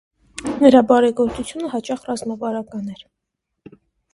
Նրա բարեգործությունը հաճախ ռազմավարական էր։